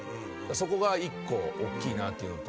そこが一個大きいなというのと